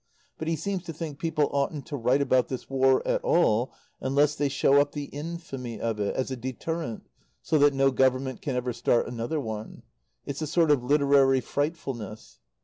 But he seems to think people oughtn't to write about this War at all unless they show up the infamy of it, as a deterrent, so that no Government can ever start another one. It's a sort of literary "frightfulness."